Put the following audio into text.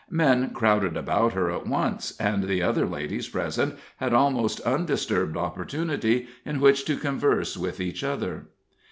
Men crowded about her at once, and the other ladies present had almost undisturbed opportunity in which to converse with each other.